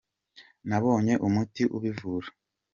nabonye umuti ubivura.